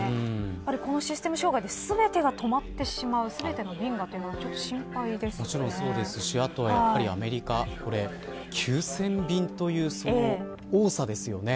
このシステム障害で全てが止まってしまう全ての便が止まってしまうというのはもちろんそうですしアメリカは９０００便というその多さですよね。